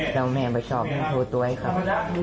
แล้วแม่ไปชอบแล้วโทรตร้อยครับ